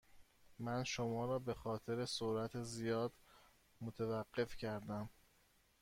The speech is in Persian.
من شما را به خاطر سرعت زیاد متوقف کردم.